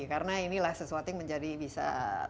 karena inilah sesuatu yang menjadi bisa